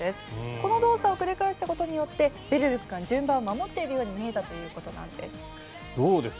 この動作を繰り返したことによってべるる君が順番を守っているように見えたということです。